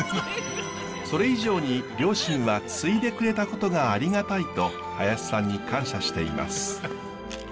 それ以上に両親は継いでくれたことがありがたいと林さんに感謝しています。